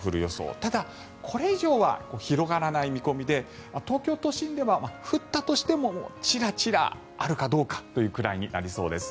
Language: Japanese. ただ、これ以上は広がらない見込みで東京都心では降ったとしてもチラチラあるかどうかというくらいになりそうです。